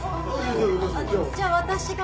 じゃあ私が。